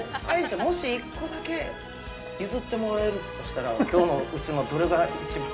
もし１個だけ譲ってもらえるとしたら、今日うちのどれが一番？